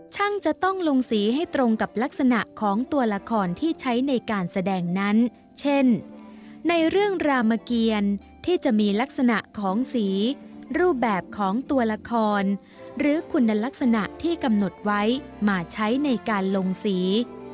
ช่างจะต้องลงสีให้ตรงกับลักษณะของตัวละครที่ใช้ในการแสดงนั้นเช่นในเรื่องรามเกียรที่จะมีลักษณะของสีรูปแบบของตัวละครหรือคุณลักษณะที่กำหนดไว้มาใช้ในการลงสี